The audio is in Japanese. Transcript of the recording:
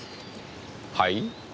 はい？